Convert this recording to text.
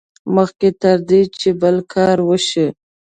مخکې تر دې چې بل کار وشي.